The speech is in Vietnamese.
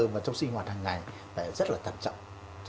và trong sinh hoạt hàng ngày phải rất là tạm trọng